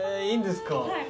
いいんですか。